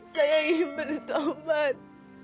saya ingin bertobat